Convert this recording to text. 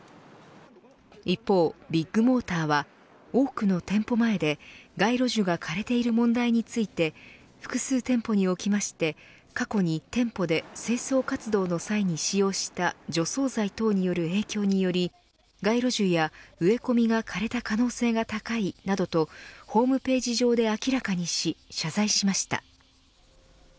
一方、ビッグモーターは多くの店舗前で街路樹が枯れている問題について複数店舗におきまして過去に店舗で、清掃活動の際に使用した除草剤等の影響により街路樹や植え込みが枯れた可能性が高いなどとホームページ上で明らかにし謝罪しました。